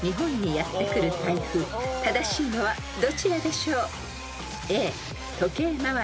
［正しいのはどちらでしょう？］